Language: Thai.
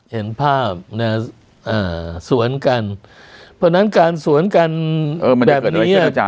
เห็นภาพสวนกันเพราะฉะนั้นการสวนกันแบบนี้